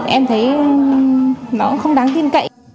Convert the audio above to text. em thấy nó cũng không đáng tin cậy